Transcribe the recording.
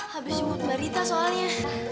habis itu mbak rita soalnya